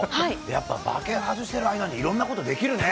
やっぱ馬券外してる間にいろんなことできるね。